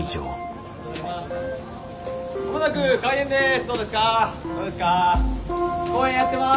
ありがとうございます。